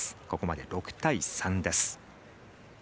ここまで６対３です。